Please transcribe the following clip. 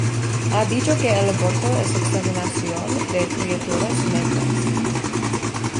Ha dicho que el aborto es "exterminación" de criaturas negras.